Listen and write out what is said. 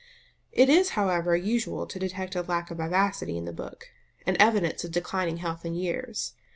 It is, however, usual to detect a lack of vivacity in the book, an evidence of declining health and years.